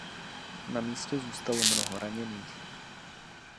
Na místě zůstalo mnoho raněných.